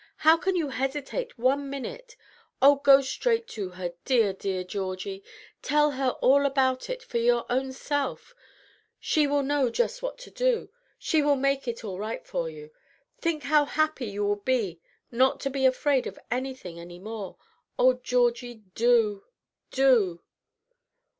How can you hesitate one minute? Oh, go straight to her, dear, dear Georgie; tell her all about it, your own self. She will know just what to do. She will make it all right for you. Think how happy you will be not to be afraid of anything any more. Oh, Georgie, do, do!"